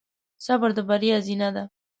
صبر د بریا زینه ده.